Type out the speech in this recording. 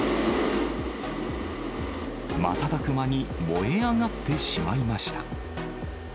瞬く間に燃え上がってしまいました。